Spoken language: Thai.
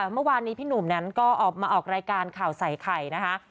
เมื่อวานนี้พี่หนุ่มนั้นก็ออกมาออกรายการข่าวใส่ไข่นะคะ